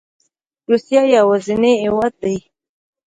روسیه یوازینی هیواد دی